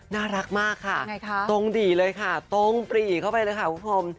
น่ารักมากค่ะตรงดีเลยค่ะตรงปรีเข้าไปเลยค่ะคุณผู้ชม